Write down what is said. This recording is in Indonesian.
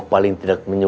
baik minta resistance